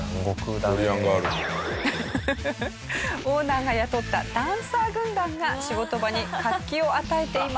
オーナーが雇ったダンサー軍団が仕事場に活気を与えています。